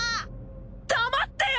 黙ってよ！！